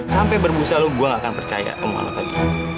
sampai berbusa lo gue nggak akan percaya omongan lo tadi